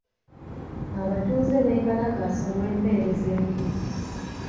Abatuuze beekalakaasa olw'empeereza embi.